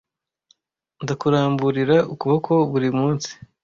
ndakuramburira ukuboko buri munsi